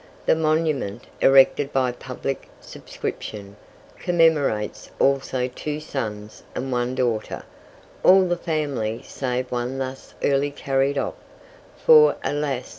The monument, erected by public subscription, commemorates also two sons and one daughter all the family save one thus early carried off, for, alas!